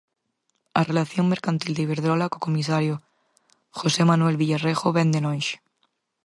A relación mercantil de Iberdrola co comisario José Manuel Villarejo vén de lonxe.